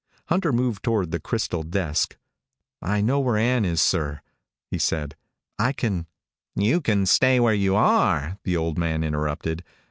Hunter moved toward the crystal desk. "I know where Ann is, sir," he said. "I can " "You can stay where you are," the old man interrupted.